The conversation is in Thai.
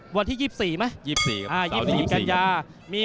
วันที่ยี่บสี่ไหมยี่บสี่ครับอ่ายี่บสี่กัญญาอ่า